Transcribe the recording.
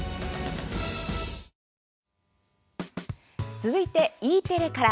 続いて、Ｅテレから。